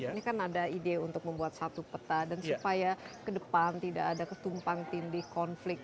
ini kan ada ide untuk membuat satu peta dan supaya ke depan tidak ada ketumpang tindih konflik